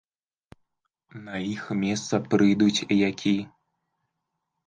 На іх месца прыйдуць які?